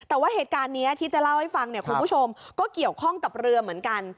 แต่ว่าเหตุการณ์นี้ที่จะเล่าให้ฟังเนี่ยคุณผู้ชมก็เกี่ยวข้องกับเรือเหมือนกัน